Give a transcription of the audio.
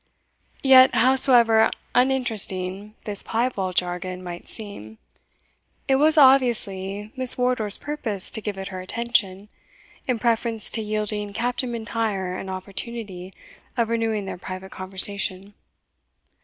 Yet, howsoever uninteresting this piebald jargon might seem, it was obviously Miss Wardour's purpose to give it her attention, in preference to yielding Captain M'Intyre an opportunity of renewing their private conversation.